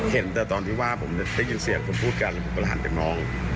เห็นแต่ตอนที่ว่าผมได้ยินเสียงคนพูดกันแล้วผมก็หันไปมอง